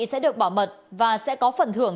sẽ được bảo mật và sẽ có phần thưởng